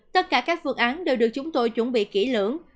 tất cả các phương án đều được chúng tôi chuẩn bị kỹ lưỡng